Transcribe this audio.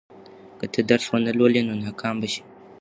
که ته درس ونه لولې، نو ناکام به شې.